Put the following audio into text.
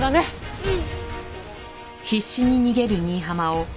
うん。